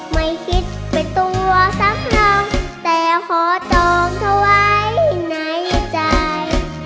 ไม่คิดเป็นตัวซ้ำน้องแต่ขอจองเธอไว้ในใจ